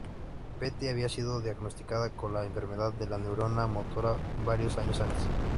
Pretty había sido diagnosticada con la enfermedad de la neurona motora varios años antes.